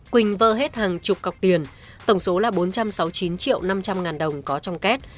quỳnh vơ hết hàng chục cọc tiền tổng số là bốn trăm sáu mươi chín triệu năm trăm linh ngàn đồng có trong kết